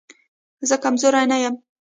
زه کمزوری نه يم